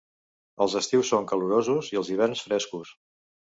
Els estius són calorosos i els hiverns frescos.